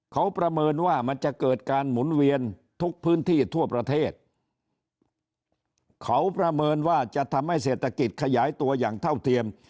เขาประเมินว่าจะทำให้เศรษฐกิจขยายตัวอย่างเท่าเทียม